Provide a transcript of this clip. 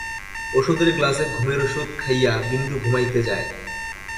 ওষুধের গ্লাসে ঘুমের ওষুধ খাইয়া বিন্দু ঘুমাইতে যায়।